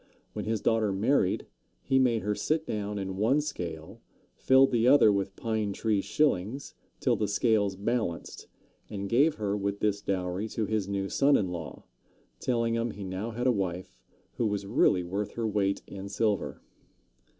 When his daughter married, he made her sit down in one scale, filled the other with "pine tree shillings" till the scales balanced, and gave her with this dowry to his new son in law, telling him he now had a wife who was really worth her weight in silver.